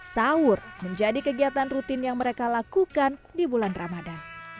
sahur menjadi kegiatan rutin yang mereka lakukan di bulan ramadan